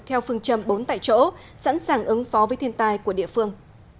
theo phương châm bốn tại chỗ sẵn sàng ứng phó với thiên tai của địa phương